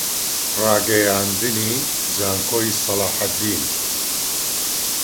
ڕاگەیاندنی زانکۆی سەلاحەددین